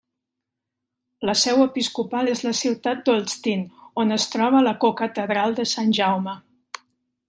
La seu episcopal és la ciutat d'Olsztyn, on es troba la cocatedral de Sant Jaume.